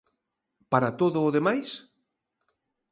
¿Para todo o demais?